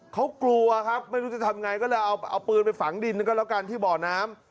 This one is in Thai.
เขากลัวครับไม่รู้จะทำไงก็เลยเอาปืนไปฝังดินก็แล้วกันที่บ่อน้ำ